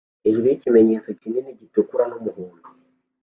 hejuru yikimenyetso kinini gitukura numuhondo